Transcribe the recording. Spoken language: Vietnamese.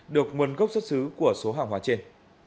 được nguồn gốc xuất xứ của số hàng hóa trên